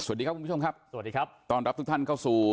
สวัสดีครับคุณผู้ชมครับสวัสดีครับต้อนรับทุกท่านเข้าสู่